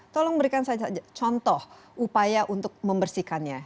tolong berikan contoh upaya untuk membersihkannya